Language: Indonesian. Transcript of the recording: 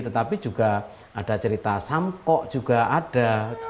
tetapi juga ada cerita samkok juga ada